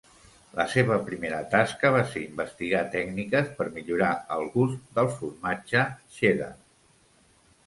La seva primera tasca va ser investigar tècniques per millorar el gust del formatge cheddar.